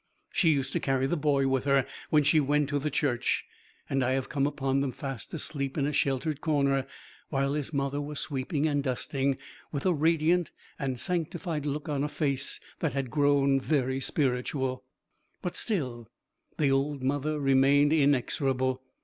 She used to carry the boy with her when she went to the church, and I have come upon him fast asleep in a sheltered corner, while his mother was sweeping and dusting, with a radiant and sanctified look on a face that had grown very spiritual. But still the old mother remained inexorable.